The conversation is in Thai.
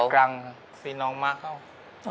จังหวัดกรังสีน้องมาเข้า